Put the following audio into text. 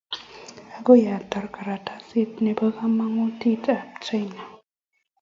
agoi atar karatasit nebo kamanutiwtab Japan